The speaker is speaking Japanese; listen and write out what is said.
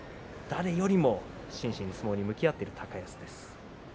誰よりも真摯に相撲に向き合っている高安です。